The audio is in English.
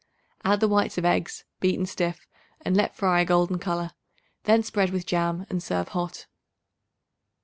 Add the whites of eggs, beaten stiff and let fry a golden color; then spread with jam and serve hot.